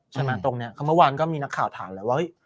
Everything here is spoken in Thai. ใช่ไหมตรงเนี้ยเขาเมื่อวานก็มีนักข่าวถามแล้วว่าเฮ้ย